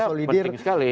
saya kira penting sekali